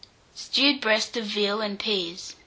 STEWED BREAST OF VEAL AND PEAS.